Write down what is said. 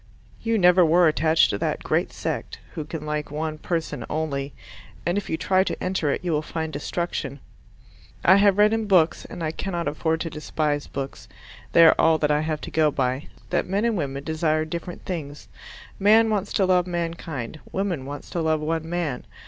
"You never were attached to that great sect" who can like one person only, and if you try to enter it you will find destruction. I have read in books and I cannot afford to despise books, they are all that I have to go by that men and women desire different things. Man wants to love mankind; woman wants to love one man.